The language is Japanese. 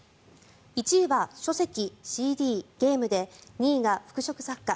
１位は書籍、ＣＤ、ゲームで２位が服飾雑貨。